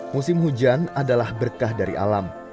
musim hujan adalah berkah dari alam